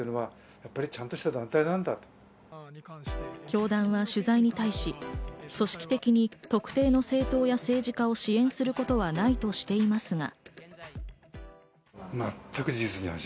教団は取材に対し、組織的に特定の政党や政治家を支援することはないとしていますが。